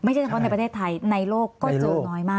ไม่ใช่แค่ในประเทศไทยในโรคก็เจอน้อยมาก